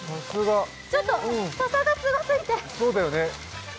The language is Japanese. ちょっと、ささがすごすぎて。